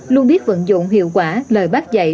luôn biết vận dụng hiệu quả lời bác dạy